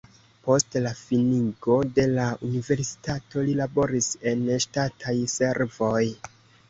Post la finigo de la universitato li laboris en ŝtataj servoj.